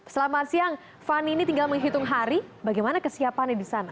selamat siang fani ini tinggal menghitung hari bagaimana kesiapannya di sana